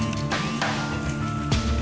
dia dari awal bang